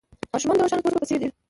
ماشومان د روښانه سپوږمۍ په څېر دي.